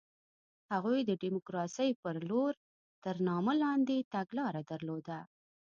هغوی د ډیموکراسۍ په لور تر نامه لاندې تګلاره درلوده.